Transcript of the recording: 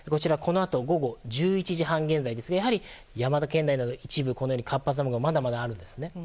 午後１１時半現在ですがやはり山形県内の一部活発な雨雲がまだまだあるんですね。